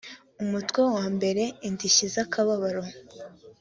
umutwe wa mbere indishyi zakababro